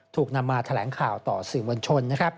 ถูกนำมาแถลงข่าวต่อสื่อมวลชน